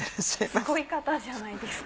すごい方じゃないですか。